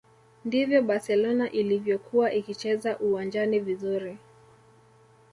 ndivyo barcelona ilivyokuwa ikicheza uwanjani vizuri